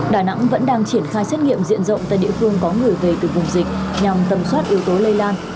đà nẵng vẫn đang triển khai xét nghiệm diện rộng tại địa phương có người về từ vùng dịch nhằm tầm soát yếu tố lây lan